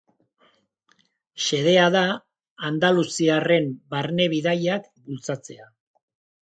Xedea da andaluziarren barne-bidaiak bultzatzea.